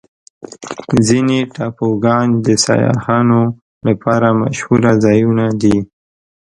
ځینې ټاپوګان د سیاحانو لپاره مشهوره ځایونه دي.